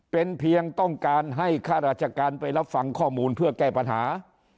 เป็นเพียงต้องการให้ข้าราชการไปรับฟังข้อมูลเพื่อแก้ปัญหา